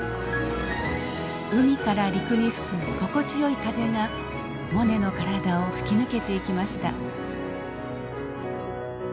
海から陸に吹く心地よい風がモネの体を吹き抜けていきました。